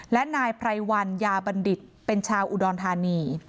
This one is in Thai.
และนายไพรวัญญาบัณฑิตเป็นชาวอุดรธานี